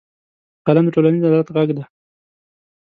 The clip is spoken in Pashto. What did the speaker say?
قلم د ټولنیز عدالت غږ دی